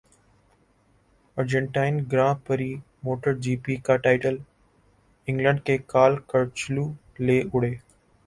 Argentine grand prix Moto G P کا title England کے کال کرچلو لے اڑے